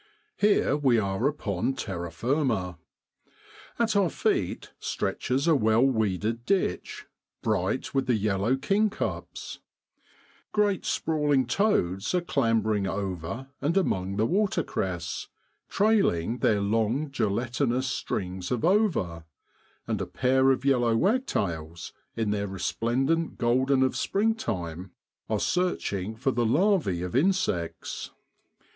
Here we are upon terra firma. At our feet stretches a well weeded ditch, bright with the yellow kingcups ; great sprawling toads are clambering over and among the watercress, trailing their long gelatinous strings of ova; and a pair of yellow wagtails, in their resplendent golden of springtime, are searching for the larvae of insects.